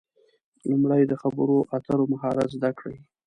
لومړی د خبرو اترو مهارت زده کړئ.